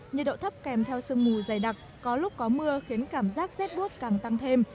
nhiệt độ thấp kèm theo sương mù dày đặc có lúc có mưa khiến cảm giác rét bút càng tăng thêm